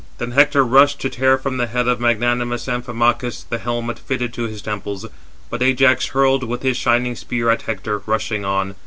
Then Hector rushed to tear from the head of magnanimous Amphimachus the helmet fitted to his temples, but Ajax hurled with his shining spear at Hector, rushing on.